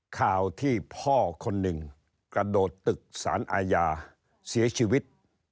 ข่าวที่พ่อคนหนึ่งกระโดดตึกสารอาญาเสียชีวิต